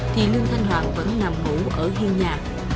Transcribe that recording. thì lương thanh hoàng vẫn nằm ngủ ở hiên nhà